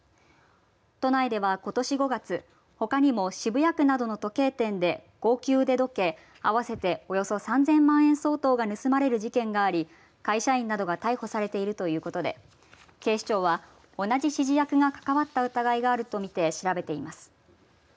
都内では、ことし５月ほかにも渋谷区などの時計店で高級腕時計合わせて、およそ３０００万円相当が盗まれる事件があり会社員などが逮捕されているということで警視庁は同じ指示役が関わった疑いがあると見て調べています。